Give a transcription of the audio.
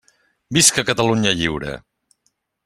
Visca Catalunya lliure!